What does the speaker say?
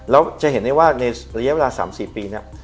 แล้วจะเห็นได้ว่าในระยะเวลา๓๔ปีเนี่ย